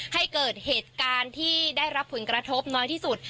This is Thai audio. ให้เกิดเหตุการณ์ที่ได้รับผลกระทบน้อยที่สุด